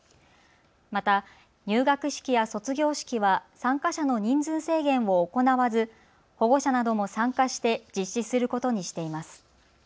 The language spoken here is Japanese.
また、入学式や卒業式は参加者の人数制限を行わず保護者なども参加して実施することにしています。